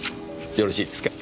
よろしいですか？